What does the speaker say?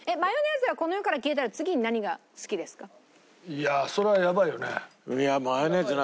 いやあそれはやばいよね。